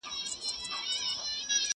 زه به د سبا لپاره د يادښتونه ترتيب کړي وي..